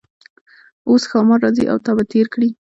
اوس ښامار راځي او تا به تیر کړي.